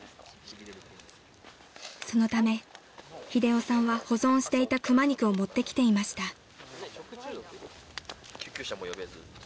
［そのため英雄さんは保存していた熊肉を持ってきていました］